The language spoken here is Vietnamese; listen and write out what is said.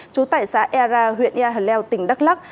trú tại xã ea ra huyện ea hờ leo tỉnh đắk lắc